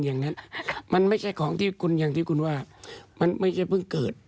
อย่างนั้นมันไม่ใช่ของที่คุณอย่างที่คุณว่ามันไม่ใช่เพิ่งเกิด